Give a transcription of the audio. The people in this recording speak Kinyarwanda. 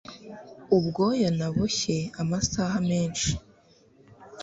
Ubwoya naboshye amasaha menshi